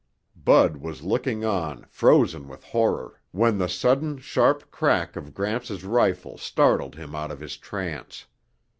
Bud was looking on frozen with horror when the sudden, sharp crack of Gramps' rifle startled him out of his trance.